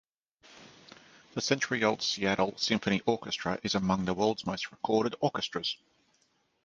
The century-old Seattle Symphony Orchestra is among the world's most recorded orchestras.